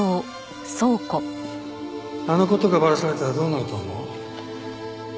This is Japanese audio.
あの事がバラされたらどうなると思う？